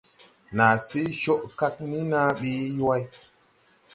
Naa se coʼ kag ni na bi yuway.